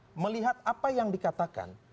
dan kemudian melihat apa yang dikatakan